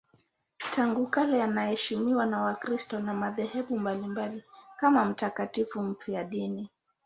Tangu kale anaheshimiwa na Wakristo wa madhehebu mbalimbali kama mtakatifu mfiadini.